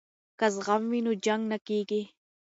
که زغم وي نو جنګ نه کیږي.